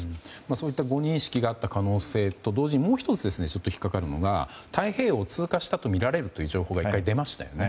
そういった誤認識があった可能性と同時に、もう１つ引っかかるのが、太平洋を通過したとみられる情報が１回出ましたよね。